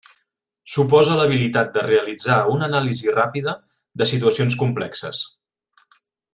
Suposa l'habilitat de realitzar una anàlisi ràpida de situacions complexes.